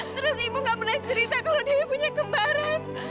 terus ibu gak pernah cerita kalo dewi punya kembaran